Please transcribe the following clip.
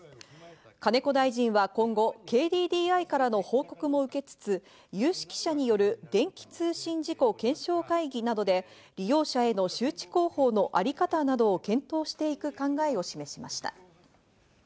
金子大臣は今後、ＫＤＤＩからの報告も受けつつ、有識者による電気通信事故検証会議などで利用者への周知広報のあり方などを検討していく考えを示しました。